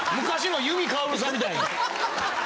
昔の由美かおるさんみたいに。